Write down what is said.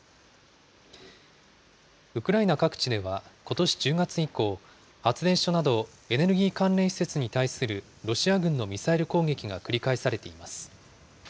ウクライナ各地では、ことし１０月以降、発電所などエネルギー関連施設に対するロシア軍のミサイル攻撃が繰り返されています。